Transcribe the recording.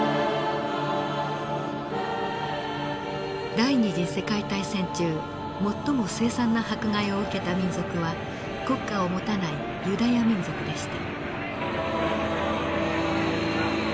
第二次世界大戦中最も凄惨な迫害を受けた民族は国家を持たないユダヤ民族でした。